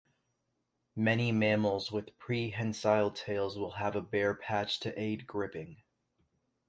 Many mammals with prehensile tails will have a bare patch to aid gripping.